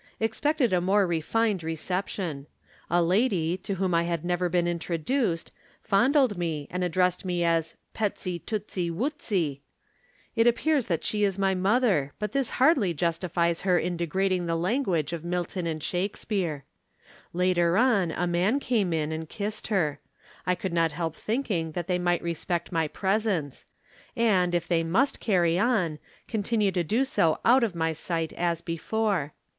Expected a more refined reception. A lady, to whom I had never been introduced, fondled me and addressed me as 'Petsie tootsie wootsie.' It appears that she is my mother, but this hardly justifies her in degrading the language of Milton and Shakespeare. Later on a man came in and kissed her. I could not help thinking that they might respect my presence; and, if they must carry on, continue to do so out of my sight as before.